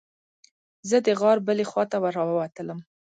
زه د غار بلې خوا ته راووتلم.